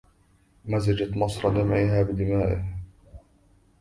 مزجت مصر دمعها بدمائه